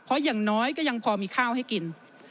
เพราะอย่างน้อยก็ยังพอมีข้าวให้กิน